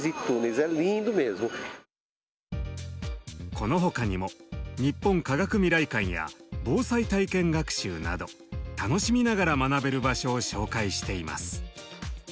この他にも「日本科学未来館」や「防災体験学習」など楽しみながら学べる場所を紹介しています。